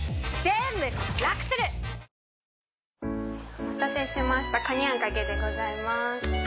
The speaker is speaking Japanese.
お待たせしましたかにあんかけでございます。